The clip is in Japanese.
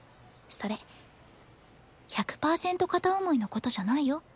それ「１００％片想い」のことじゃないよ。